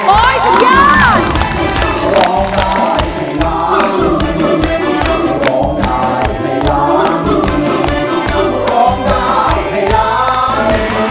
โอ๊ยสุดยอด